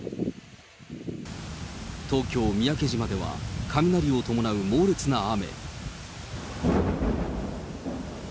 東京・三宅島では雷を伴う猛烈な雨。